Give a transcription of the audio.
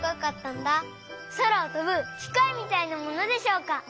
そらをとぶきかいみたいなものでしょうか？